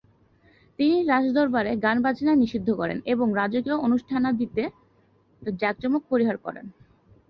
তিনি রাজদরবারে গান-বাজনা নিষিদ্ধ করেন এবং রাজকীয় অনুষ্ঠানাদিতে জাঁকজমক পরিহার করেন।